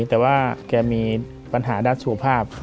แต่ว่าแกมีปัญหาด้านสุขภาพ